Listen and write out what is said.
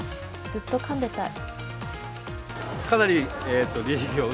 ずっと噛んでたい。